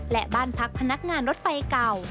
และบ้านพักพนักงานรถไฟเก่า